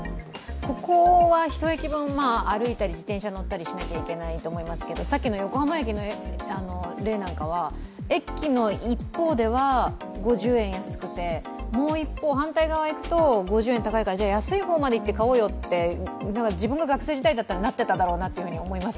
ここは１駅分、歩いたり自転車乗ったりしなきゃいけないと思いますけど、さっきの横浜駅なんかは駅の一方では５０円安くて、もう一方、反対側に行くと５０円高いからじゃ安い方まで行って買おうよって自分が学生時代だったらなっていたと思います。